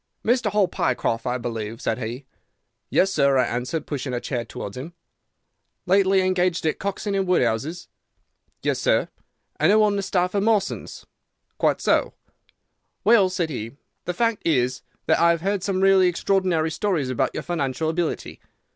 "'Mr. Hall Pycroft, I believe?'" said he. "'Yes, sir,' I answered, pushing a chair towards him. "'Lately engaged at Coxon & Woodhouse's?' "'Yes, sir.' "'And now on the staff of Mawson's.' "'Quite so.' "'Well,' said he, 'the fact is that I have heard some really extraordinary stories about your financial ability.